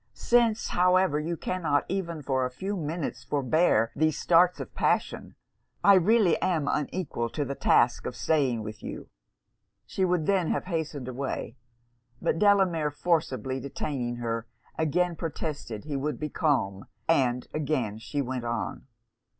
Since, however, you cannot even for a few minutes forbear these starts of passion, I really am unequal to the task of staying with you.' She would then have hastened away; but Delamere forcibly detaining her, again protested he would be calm, and again she went on.